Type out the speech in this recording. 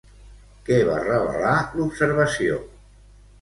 Què va revelar l'observació?